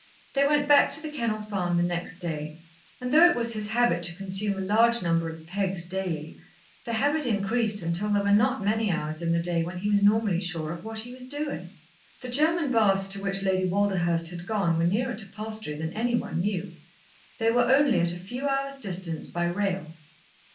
They went back to The Kennel Farm the next day, and though it was his habit to consume a large number of "pegs" daily, the habit increased until there were not many hours in the day when he was normally sure of what he was doing. The German baths to which Lady Walderhurst had gone were nearer to Palstrey than any one knew. They were only at a few hours' distance by rail.